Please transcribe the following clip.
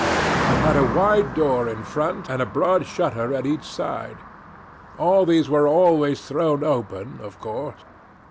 It had a wide door in front and a broad shutter at each side. All these were always thrown open, of course.